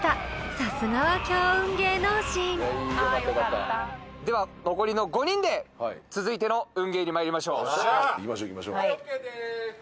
［さすがは強運芸能人］では残りの５人で続いての運ゲーに参りましょう。